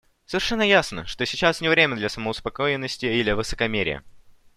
Совершенно ясно, что сейчас не время для самоуспокоенности или высокомерия.